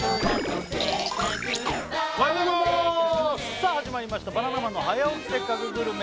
さあ始まりました「バナナマンの早起きせっかくグルメ！！」